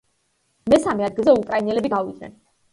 მესამე ადგილზე უკრაინელები გავიდნენ.